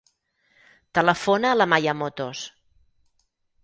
Telefona a l'Amaya Motos.